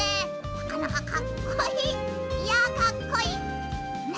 なかなかかっこいい！いやかっこいい！